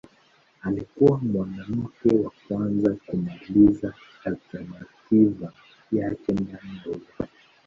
Alikuwa mwanamke wa kwanza kumaliza alternativa yake ndani ya Ulaya.